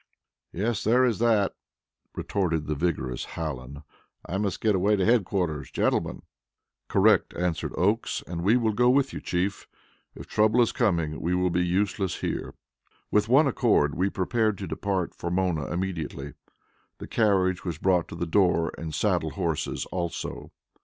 "Yes, there is that," retorted the vigorous Hallen. "I must get away to headquarters, gentlemen!" "Correct!" answered Oakes; "and we will go with you, Chief. If trouble is coming, we will be useless here." With one accord we prepared to depart for Mona immediately. The carriage was brought to the door and saddle horses also.